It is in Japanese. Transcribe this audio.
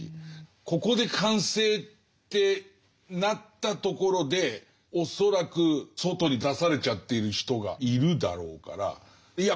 ここで完成ってなったところで恐らく外に出されちゃっている人がいるだろうからいや